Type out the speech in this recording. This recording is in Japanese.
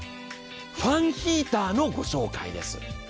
ファンヒーターのご紹介です。